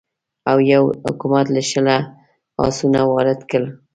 اویو حکومت له شله اسونه وارد کړل.